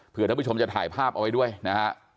เพื่อท่านผู้ชมจะถ่ายภาพเอาไว้ด้วยนะฮะ